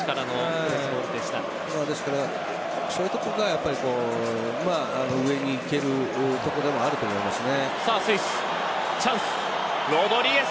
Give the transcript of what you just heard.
ですから、そういうところが上にいけるところでもあると思いますね。